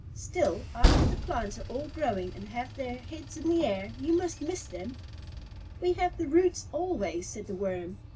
"Still, after the plants are all growing and have their heads in the air, you must miss them." "We have the roots always," said the Worm.